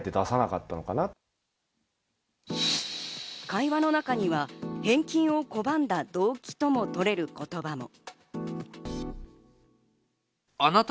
会話の中には返金を拒んだ動機ともとれる言葉も。